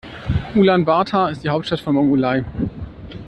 Ulaanbaatar ist die Hauptstadt von Mongolei.